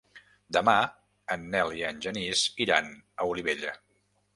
Demà en Nel i en Genís iran a Olivella.